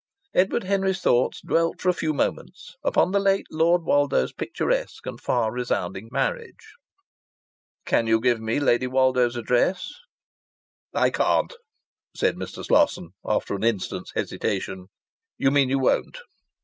Edward Henry's thoughts dwelt for a few moments upon the late Lord Woldo's picturesque and far resounding marriage. "Can you give me Lady Woldo's address?" "I can't," said Mr. Slosson, after an instant's hesitation. "You mean you won't!"